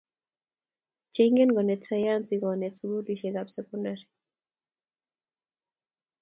cheingen konet sayansi konet sukulisiek ap sekondari